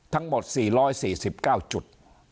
ทั้งหมด๔๔๙จุด